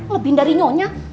lebih dari nyonya